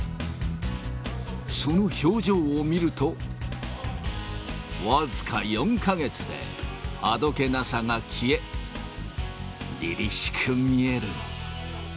その表情を見ると、僅か４か月で、あどけなさが消え、りりしく見える。